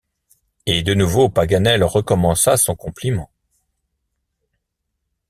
Et de nouveau Paganel recommença son compliment.